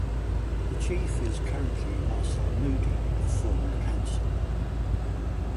The Chief is currently Marcel Moody, a former Councillor.